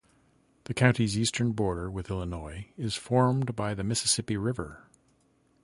The county's eastern border with Illinois is formed by the Mississippi River.